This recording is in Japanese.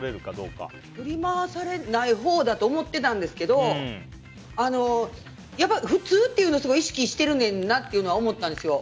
振り回されないほうだと思ってたんですけど普通っていうのを意識してるねんなって思ったんですよ。